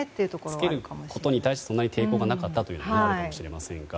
着けることに対してそんなに抵抗がなかったということもあるかもしれませんが。